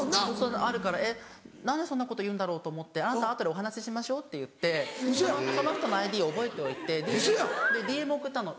あるから何でそんなこと言うんだろうと思ってあなた後でお話ししましょうっていってその人のＩＤを覚えておいてＤＭ送ったの。